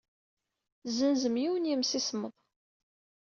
Tessenzem yiwen n yemsismeḍ.